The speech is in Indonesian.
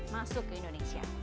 masuk ke indonesia